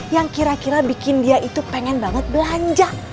yang kira kira bikin dia itu pengen banget belanja